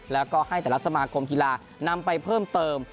แล้วก็ให้แต่ละสมาคมกีฬานำไปเพิ่มเติม